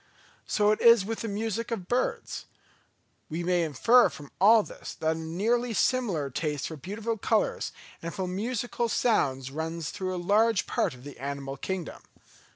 So it is with the music of birds. We may infer from all this that a nearly similar taste for beautiful colours and for musical sounds runs through a large part of the animal kingdom.